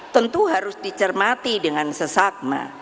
tentu harus dicermati dengan sesakma